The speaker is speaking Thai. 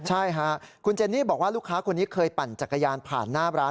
ใช่ค่ะคุณเจนนี่บอกว่าลูกค้าคนนี้เคยปั่นจักรยานผ่านหน้าร้าน